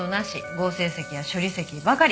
合成石や処理石ばかり。